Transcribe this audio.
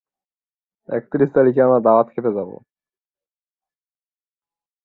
এবং তার গল্প ও কবিতাগুলি ইংরেজি, হিন্দি, মারাঠি এবং তেলুগু ভাষাগুলিতে অনুবাদ করা হয়েছে।